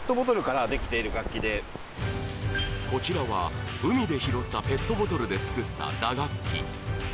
こちらは、海で拾ったペットボトルで作った打楽器。